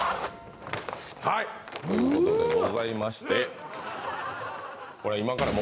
はいということでございましてうわっ